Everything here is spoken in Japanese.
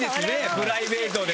プライベートで。